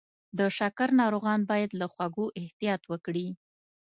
د شکر ناروغان باید له خوږو احتیاط وکړي.